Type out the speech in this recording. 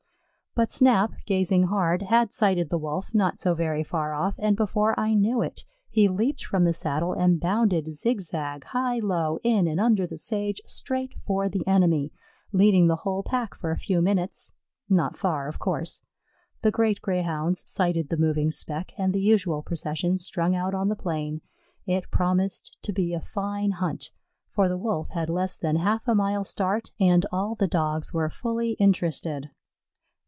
But Snap, gazing hard, had sighted the Wolf, not so very far off, and before I knew it, he leaped from the saddle and bounded zigzag, high, low, in and under the sage, straight for the enemy, leading the whole pack for a few minutes. Not far, of course. The great Greyhounds sighted the moving speck, and the usual procession strung out on the plain. It promised to be a fine hunt, for the Wolf had less than half a mile start and all the Dogs were fully interested.